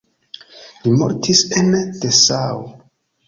Li mortis en Dessau.